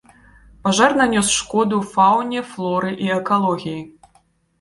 Пажар нанёс шкоду фауне, флоры і экалогіі.